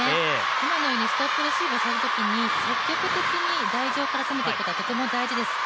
今のようにストップレシーブをされるときに積極的に台上から攻めていくのはとても大事です。